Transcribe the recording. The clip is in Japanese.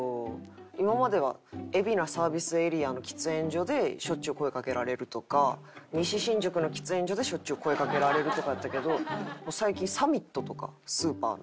今までは海老名サービスエリアの喫煙所でしょっちゅう声かけられるとか西新宿の喫煙所でしょっちゅう声かけられるとかやったけど最近サミットとかスーパーの。